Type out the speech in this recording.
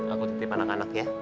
aku titip anak anak ya